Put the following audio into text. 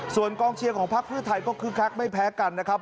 ส่วนกองเชียร์ของพักเพื่อไทยก็คึกคักไม่แพ้กันนะครับ